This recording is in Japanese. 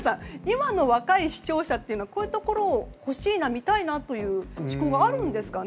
今の若い視聴者ってこういうところをほしいな、見たいなという思考があるんですかね。